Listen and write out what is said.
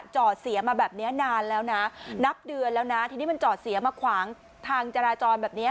จอดเสียมาแบบนี้นานแล้วนะนับเดือนแล้วนะทีนี้มันจอดเสียมาขวางทางจราจรแบบเนี้ย